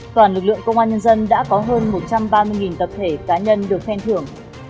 toàn lực lượng công an nhân dân đã có hơn một trăm ba mươi tập thể cá nhân được khen thưởng